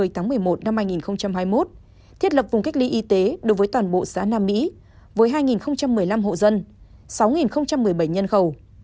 từ một mươi tám h ngày một mươi một mươi một hai nghìn hai mươi một thiết lập vùng cách ly y tế đối với toàn bộ xã nam mỹ với hai một mươi năm hộ dân sáu một mươi bảy nhân khẩu